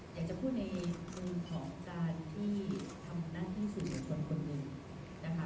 อยากจะพูดในมุมของการที่ทำหน้าที่สื่อมวลชนคนหนึ่งนะคะ